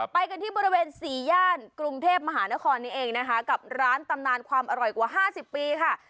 ไปกันที่บริเวณสี่ย่านกรุงเทพมหานครนี้เองนะคะกับร้านตำนานความอร่อยกว่า๕๐ปีค่ะ